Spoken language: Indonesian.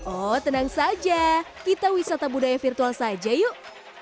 oh tenang saja kita wisata budaya virtual saja yuk